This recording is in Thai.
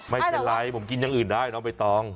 ไม่เป็นไรผมกินอย่างอื่นได้น้องใบตอง